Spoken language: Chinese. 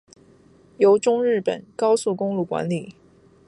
由中日本高速公路管理。